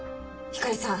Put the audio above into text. ひかりさん！